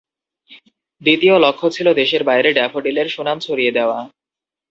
দ্বিতীয় লক্ষ্য ছিল দেশের বাইরে ড্যাফোডিলের সুনাম ছড়িয়ে দেওয়া।